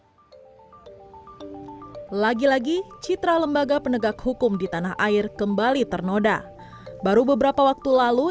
hai lagi lagi citra lembaga penegak hukum di tanah air kembali ternoda baru beberapa waktu lalu